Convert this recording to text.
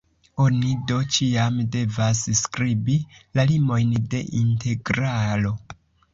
Oni do ĉiam devas skribi la limojn de integralo.